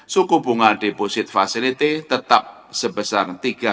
suku bunga deposit facility tetap sebesar tiga tujuh puluh lima